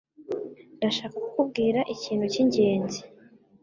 Ndashaka kukubwira ikintu cyingenzi.